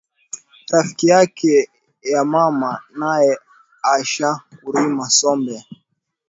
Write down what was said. Rafiki yake ya mama naye asha kurima sombe